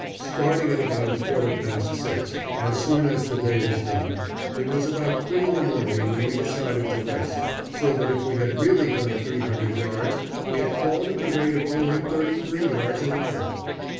Starting at about a quarter past six, as soon as the day was done, it was about three in the morning when we decided to rest, so that if we had really done three hundred yards we had crawled at the rate of only thirty three yards an hour!